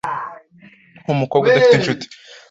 Nk’umukobwa udafite incuti